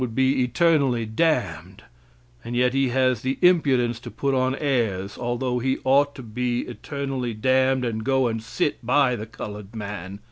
would be eternally damned and yet he has the impudence to put on airs, although he ought to be eternally damned, and go and sit by the colored man.